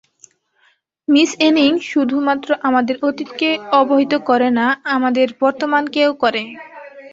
Miss Anning শুধমাত্র আমাদের অতীতকে অবহিত করে না, আমাদের বর্তমানকেও করে।